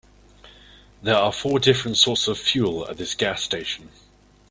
There are four different sorts of fuel at this gas station.